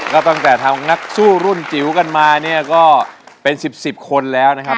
ก็ตั้งแต่ทำนักสู้รุ่นจิ๋วกันมาเนี่ยก็เป็น๑๐๑๐คนแล้วนะครับ